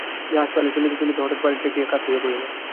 জাহাজ পালে চলিতে চলিতে হঠাৎ পাহাড়ে ঠেকিয়া কাত হইয়া পড়িল।